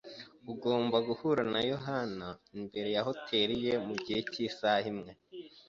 Ugomba guhura na yohani imbere ya hoteri ye mugihe cyisaha imwe